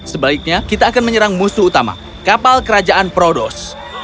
sebaiknya kita akan menyerang musuh utama kapal kerajaan prodos